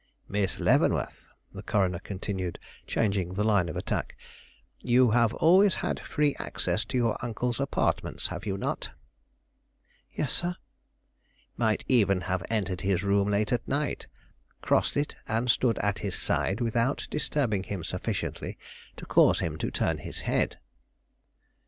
"Miss Leavenworth," the coroner continued, changing the line of attack, "you have always had free access to your uncle's apartments, have you not?" "Yes, sir." "Might even have entered his room late at night, crossed it and stood at his side, without disturbing him sufficiently to cause him to turn his head?"